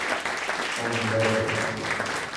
ڪم هلي پيو.